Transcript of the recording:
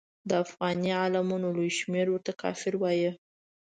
د افغاني عالمانو لوی شمېر ورته کافر وایه.